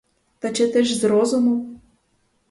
Та чи ти ж з розумом?